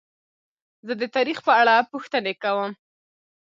زه د تاریخ په اړه پوښتنې کوم.